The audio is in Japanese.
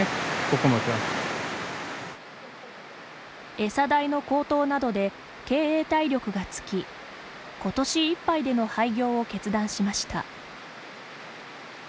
エサ代の高騰などで経営体力が尽き今年いっぱいでの廃業を決断しました。